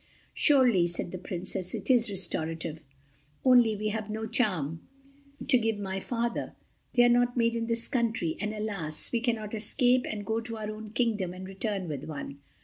"Surely," said the Princess, "it is a restorative; only we have no charm to give my Father—they are not made in this country—and alas! we cannot escape and go to our own kingdom and return with one."